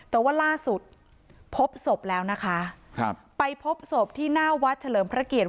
แต่ว่าล่าสุดพบศพแล้วนะคะครับไปพบศพที่หน้าวัดเฉลิมพระเกียรติ